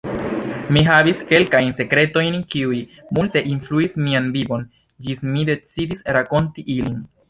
Mi havis kelkajn sekretojn kiuj multe influis mian vivon, ĝis mi decidis rakonti ilin.